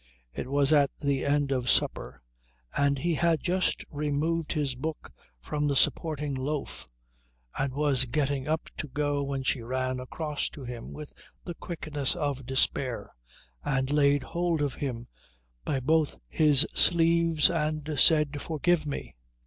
It was at the end of supper, and he had just removed his book from the supporting loaf and was getting up to go when she ran across to him with the quickness of despair and laid hold of him by both his sleeves and said, "Forgive me."